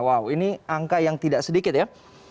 wow ini angka yang tidak sedikit ya